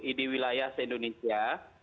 seluruh id wilayah se indonesia